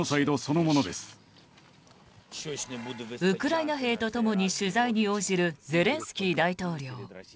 ウクライナ兵とともに取材に応じるゼレンスキー大統領。